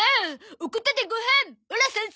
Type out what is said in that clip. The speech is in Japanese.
おこたでごはんオラ賛成！